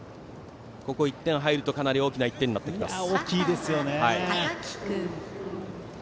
ここで１点が入るとかなり大きな１点になります。